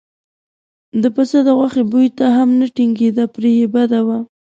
د پسه د غوښې بوی ته هم نه ټینګېده پرې یې بده وه.